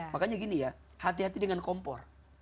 makanya gini ya hati hati dengan kompor